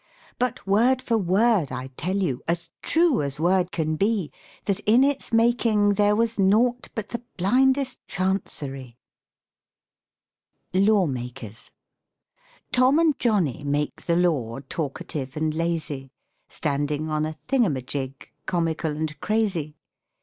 But word for word I tell you, As true as word can be, That in its making there was naught But the blindest chancerie. LAW MAKERS Tom and Johnny Make the law, Talkative and lazy, Standing on a Thingumajig Comical and crazy.